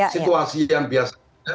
situasi yang biasa